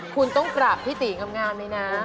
คุณต้องกราบพี่ตีทำงานไหมนะ